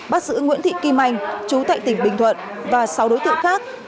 bác sĩ nguyễn thị kim anh chú tại tỉnh bình thuận và sáu đối tượng khác